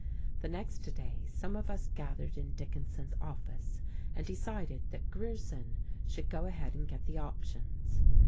The next day some of us gathered in Dickinson's office and decided that Grierson should go ahead and get the options.